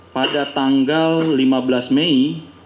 pada tanggal lima belas mei